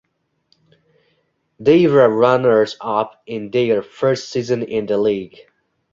They were runners-up in their first season in the league.